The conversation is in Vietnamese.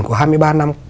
của hai mươi ba năm